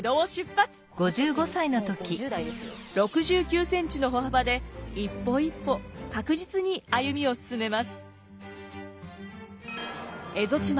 ６９センチの歩幅で一歩一歩確実に歩みを進めます。